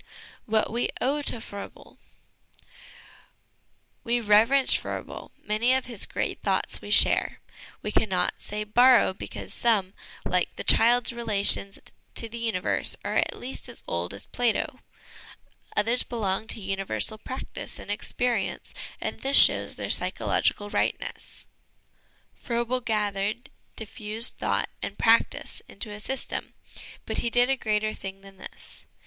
What we Owe to Froebel. We reverence Froebel. Many of his great thoughts we share ; we cannot say borrow, because some, like the child's relations to the universe, are at least as old as Plato ; others belong to universal practice and ex perience, and this shows their psychological Tightness. Froebel gathered diffused thought and practice into a system, but he did a greater thing than this.